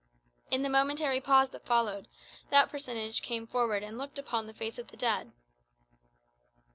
In the momentary pause that followed, that personage came forward and looked upon the face of the dead.